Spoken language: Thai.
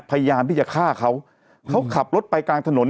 พยายามที่จะฆ่าเขาเขาขับรถไปกลางถนน